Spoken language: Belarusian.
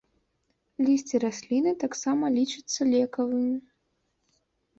Лісце расліны таксама лічыцца лекавым.